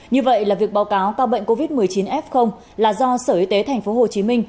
như vậy là việc báo cáo ca bệnh covid một mươi chín f là do sở y tế tp hcm